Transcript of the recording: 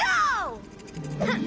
フッ！